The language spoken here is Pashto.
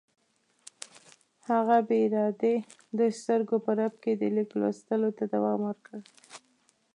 هغه بې ارادې د سترګو په رپ کې د لیک لوستلو ته دوام ورکړ.